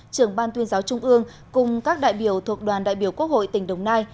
trưởng ban tuyên giáo trung ương cùng các đại biểu thuộc đoàn đại biểu quốc hội tỉnh đồng nai